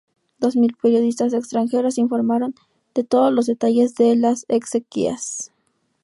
Dos mil periodistas extranjeros informaron de todos los detalles de las exequias.